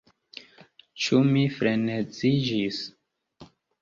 Ĉu mi freneziĝis?